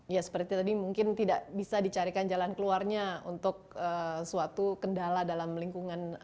ya seperti tadi mungkin tidak bisa dicarikan jalan keluarnya untuk suatu kendala dalam lingkungan